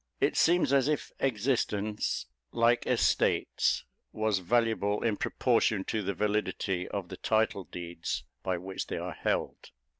It seems as if existence, like estates, was valuable in proportion to the validity of the title deeds by which they are held.